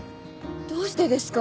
どうしてですか？